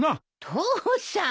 父さん。